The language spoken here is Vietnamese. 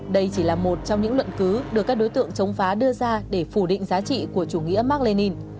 đây chỉ là một trong những luận cứ được các đối tượng chống phá đưa ra để phủ định giá trị của chủ nghĩa mark lenin